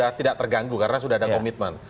ya tidak terganggu karena sudah ada komitmen